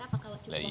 apakah waktu itu